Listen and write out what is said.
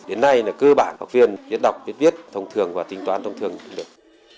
đến nay là cơ bản học viên biết đọc biết viết thông thường và tính toán thông thường được